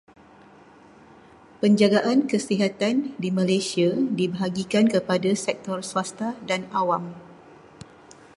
Penjagaan kesihatan di Malaysia dibahagikan kepada sektor swasta dan awam.